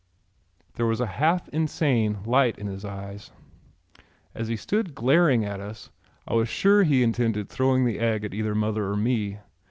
There was a half insane light in his eyes. As he stood glaring at us I was sure he intended throwing the egg at either mother or me.